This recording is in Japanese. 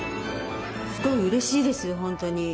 すごいうれしいです本当に。